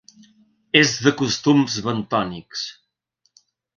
És de costums bentònics.